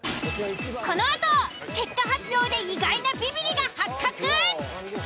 このあと結果発表で意外なビビリが発覚！